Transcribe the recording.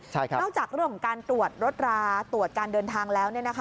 นอกจากเรื่องของการตรวจรถราตรวจการเดินทางแล้ว